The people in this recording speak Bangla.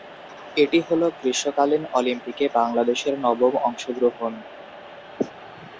এটি হল গ্রীষ্মকালীন অলিম্পিকে বাংলাদেশের নবম অংশগ্রহণ।